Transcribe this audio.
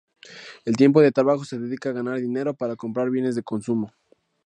El tiempo de trabajo se dedica a ganar dinero para comprar bienes de consumo.